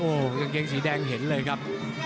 โอ้ยี่เก้งสีแดงเห็นเลยครับ